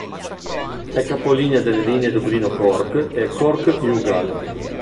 È capolinea delle linee Dublino-Cork e Cork-Youghal.